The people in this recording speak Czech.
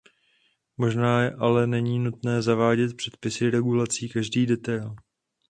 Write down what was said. Možná ale není nutné zavádět předpisy regulující každý detail.